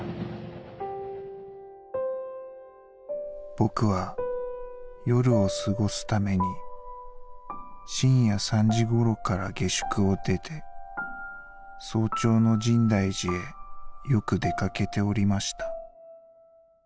「僕は夜を過ごす為に深夜３時頃から下宿を出て早朝の深大寺へよく出掛けておりました。